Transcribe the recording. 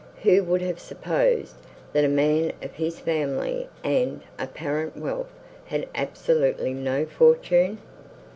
who would have supposed, that a man of his family and apparent wealth had absolutely no fortune?